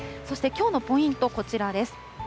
そして、きょうのポイント、こちらです。